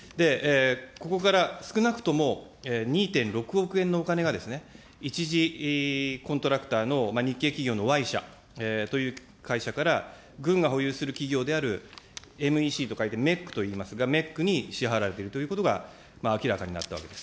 ここから少なくとも２．６億円のお金がですね、一次コントラクターの日系企業のＹ社という会社から軍が保有する企業であるＭＥＣと書いて、メックといいますが、メックに支払われているということが、明らかになったわけです。